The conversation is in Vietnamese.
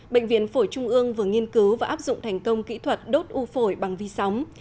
bệnh viện phổi trung ương vừa nghiên cứu và áp dụng thành công kỹ thuật đốt u phổi bằng vi sóng